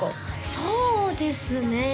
そうですね